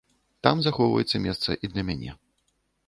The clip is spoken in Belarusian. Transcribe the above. Там захоўваецца месца і для мяне.